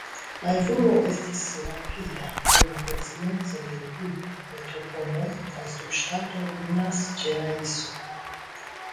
La evoluo estis rapida pro la proksimeco de du metropoloj kaj subŝtato Minas-Ĝerajso.